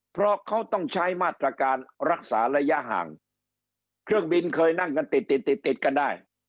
เพราะเขาต้องใช้มาตรการรักษาระยะห่างเครื่องบินเคยนั่งกันติดติดติดกันได้